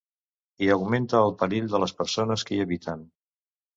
I augmenta el perill de les persones que hi habiten.